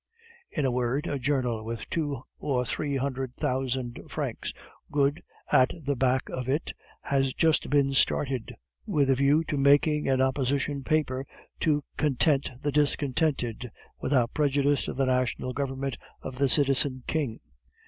In a word, a journal, with two or three hundred thousand francs, good, at the back of it, has just been started, with a view to making an opposition paper to content the discontented, without prejudice to the national government of the citizen king.